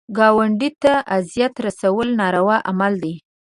ګاونډي ته اذیت رسول ناروا عمل دی